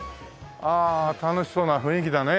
ああ楽しそうな雰囲気だね。